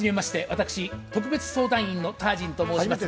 私特別相談員のタージンと申します。